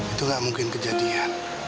itu gak mungkin kejadian